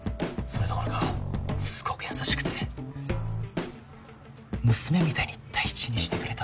それどころかすごく優しくて娘みたいに大事にしてくれたって。